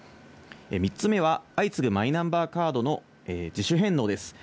３つ目は、相次ぐマイナンバーカードの自主返納です。